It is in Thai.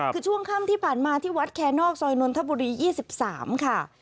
คือช่วงค่ำที่ผ่านมาที่วัดแคนอกซอยนนทบุรี๒๓ค่ะ